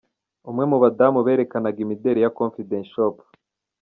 Umwe mu badamu berekanaga imideri ya Confidence Shop.